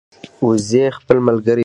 وزې خپل ملګري پېژني